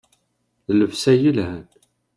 D llebsa yelhan.